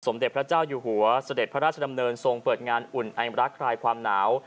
เด็จพระเจ้าอยู่หัวเสด็จพระราชดำเนินทรงเปิดงานอุ่นไอมรักคลายความหนาว